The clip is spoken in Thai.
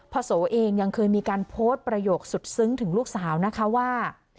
โสเองยังเคยมีการโพสต์ประโยคสุดซึ้งถึงลูกสาวนะคะว่า